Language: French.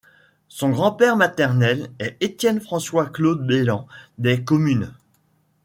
Son grand-père maternel est Étienne François Claude Belland des Communes.